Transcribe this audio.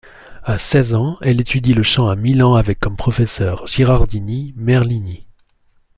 À seize ans, elle étudie le chant à Milan avec comme professeurs, Ghirardini, Merlini.